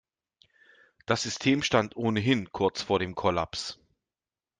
Das System stand ohnehin kurz vor dem Kollaps.